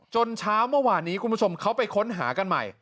เช้าเมื่อวานนี้คุณผู้ชมเขาไปค้นหากันใหม่